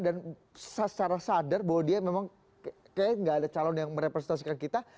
dan secara sadar bahwa dia memang kayaknya nggak ada calon yang merepresentasikan kita